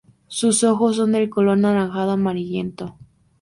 Sus ojos son de color anaranjado amarillento.